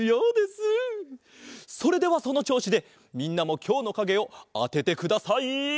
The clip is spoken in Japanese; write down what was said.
それではそのちょうしでみんなもきょうのかげをあててください。